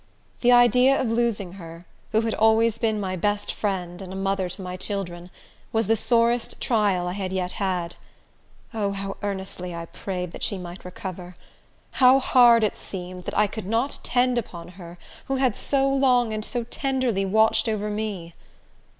The idea of losing her, who had always been my best friend and a mother to my children, was the sorest trial I had yet had. O, how earnestly I prayed that she might recover! How hard it seemed, that I could not tend upon her, who had so long and so tenderly watched over me!